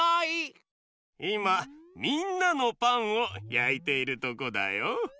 いまみんなのパンをやいているとこだよ。